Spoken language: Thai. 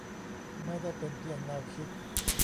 ไม่ได้เป็นเพียงแนวคิด